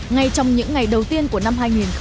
ngay trong những ngày đầu tiên của năm hai nghìn hai mươi